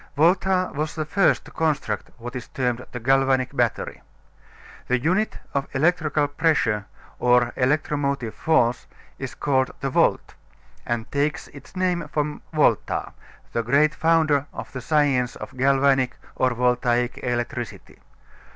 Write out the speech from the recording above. Volta was the first to construct what is termed the galvanic battery. The unit of electrical pressure or electromotive force is called the volt, and takes its name from Volta, the great founder of the science of galvanic or voltaic electricity.